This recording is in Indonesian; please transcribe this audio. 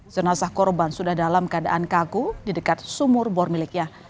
jenazah korban sudah dalam keadaan kaku di dekat sumur bor miliknya